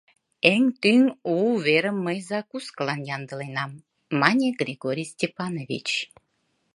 — Эн тӱҥ у уверым мый закускылан ямдыленам, — мане Григорий Степанович.